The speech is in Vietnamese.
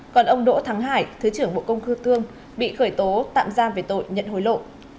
còn ông đỗ thắng hải thứ trưởng bộ công khư thương bị khởi tố tạm giam về tội nhận hối lộ